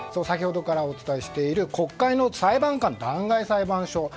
先ほどからお伝えしている国会の裁判官弾劾裁判所